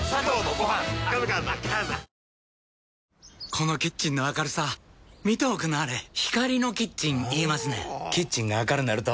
このキッチンの明るさ見ておくんなはれ光のキッチン言いますねんほぉキッチンが明るなると・・・